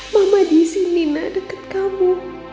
mama disini nak deket kamu